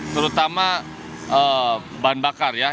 terutama bahan bakar ya